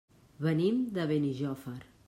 Venim de Benijòfar.